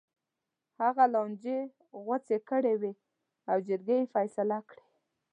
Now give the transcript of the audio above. هغه لانجې غوڅې کړې وې او جرګې یې فیصله کړې.